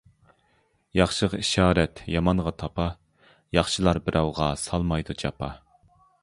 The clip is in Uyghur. ياخشىغا ئىشارەت يامانغا تاپا، ياخشىلار بىراۋغا سالمايدۇ جاپا.